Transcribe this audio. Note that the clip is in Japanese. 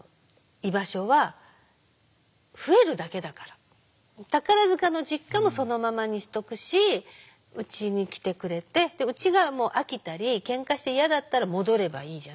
あとは「宝塚の実家もそのままにしとくしうちに来てくれてうちが飽きたりけんかして嫌だったら戻ればいいじゃない」って。